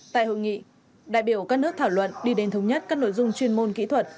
tại hội nghị đại biểu các nước thảo luận đi đến thống nhất các nội dung chuyên môn kỹ thuật